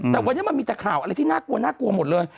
แต่วันนี้มันมีแต่ข่าวอะไรที่น่ากลัวน่ากลัวหมดเลย